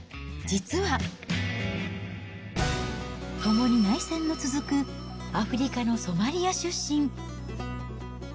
実は、ともに内戦の続くアフリカのソマリア出身。